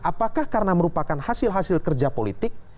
apakah karena merupakan hasil hasil kerja politik